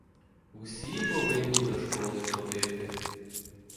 Усі повинні до школи ходити.